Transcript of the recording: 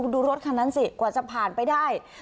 ดูรถคันนั้นสิกว่าจะผ่านไปได้